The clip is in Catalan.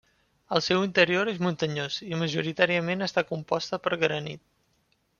El seu interior és muntanyós i majoritàriament està composta per granit.